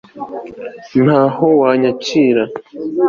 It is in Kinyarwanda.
naho wanyakira